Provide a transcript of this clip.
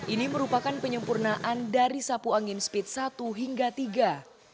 ini merupakan penyempurnaan dari sapu angin speed satu hingga tiga